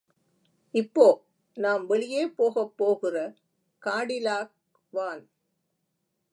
இப்போ, நாம் வெளியே போகப் போகிற காடிலாக் வான்.